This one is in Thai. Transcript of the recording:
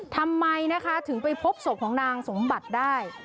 ทำไมนะคะถึงไปพบศพของนางสมบัติได้